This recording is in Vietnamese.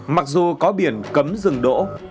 mặc dù có biển cấm dừng đỗ